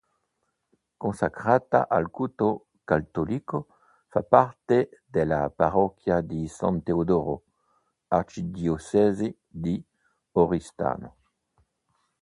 Consacrata al culto cattolico, fa parte della parrocchia di San Teodoro, arcidiocesi di Oristano.